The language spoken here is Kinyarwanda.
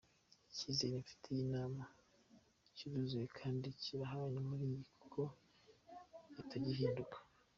Icyizere mfitiye Imana kiruzuye kandi kirahamye muri njye kuko itajya ihinduka.